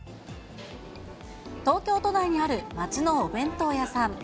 東京都内にある町のお弁当屋さん。